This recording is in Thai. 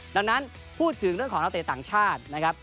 ดังนั้นพูดถึงเรื่องของนักเตะต่างชาตินะครับ